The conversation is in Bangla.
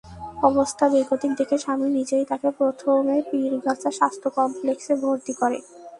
অবস্থা বেগতিক দেখে স্বামী নিজেই তাঁকে প্রথমে পীরগাছা স্বাস্থ্য কমপ্লেক্সে ভর্তি করে।